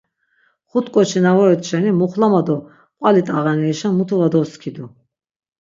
Xuti k̆oçi na voret şeni muxlama do qvali t̆ağanerişen mutu va doskidu.